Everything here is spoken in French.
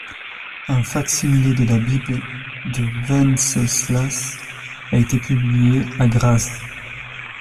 Un fac-similé de la Bible de Wenceslas a été publié à Graz.